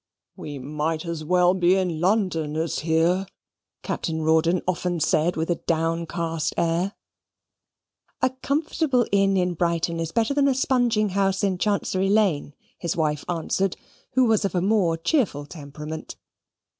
"We might as well be in London as here," Captain Rawdon often said, with a downcast air. "A comfortable inn in Brighton is better than a spunging house in Chancery Lane," his wife answered, who was of a more cheerful temperament.